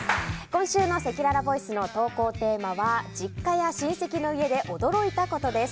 今週のせきららボイスの投稿テーマは実家や親戚の家で驚いたことです。